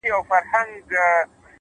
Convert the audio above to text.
زړورتیا په عمل کې ښکاري؛